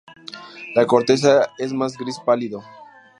La corteza es más gris pálido.